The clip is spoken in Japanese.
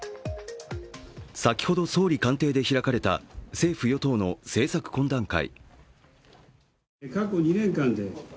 先ほど総理官邸で開かれた政府・与党の政策懇談会。